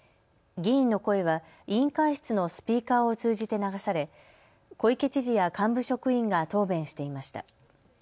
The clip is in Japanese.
議員の声は委員会室のスピーカーを通じて流され小池知事や幹部職員が答弁していました。